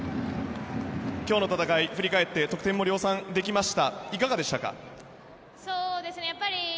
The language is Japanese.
今日の戦い、振り返って得点も量産できました。